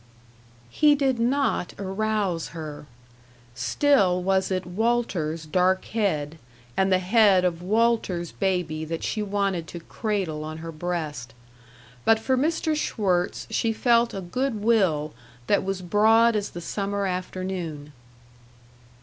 He did not arouse her; still was it Walter's dark head and the head of Walter's baby that she wanted to cradle on her breast. But for Mr. Schwirtz she felt a good will that was broad as the summer afternoon.